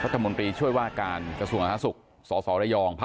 มาด้วยรัฐมนตรีว่าการกระทรวงสหรัฐศุกร์ก็มาด้วยนะครับ